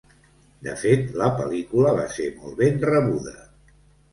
De fet, la pel·lícula va ser molt ben rebuda.